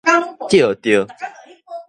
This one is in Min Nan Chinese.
藉著